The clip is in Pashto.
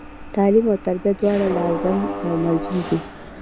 تعلم او تربیه دواړه لاظم او ملظوم دي.